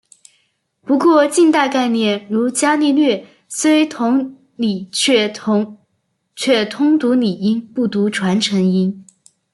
不过近代概念如伽利略虽同理却统读拟音不读传承音。